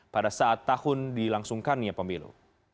pada saat tahun dilangsungkannya pemilu